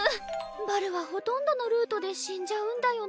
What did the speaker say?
バルはほとんどのルートで死んじゃうんだよね。